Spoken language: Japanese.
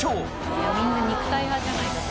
いやみんな肉体派じゃないだって。